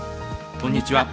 こんにちは。